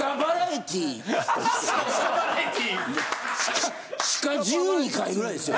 地下１２階ぐらいですよ。